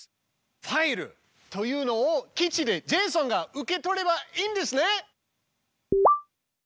「ファイル」というのを基地でジェイソンが受け取ればいいんですね？